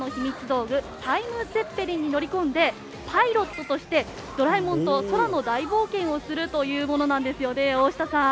道具タイムツェッペリンに乗り込んでパイロットとしてドラえもんと空の大冒険をするというものなんです。